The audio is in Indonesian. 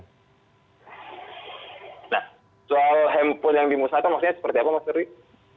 nah soal handphone yang dimusnahkan maksudnya seperti apa mas ferry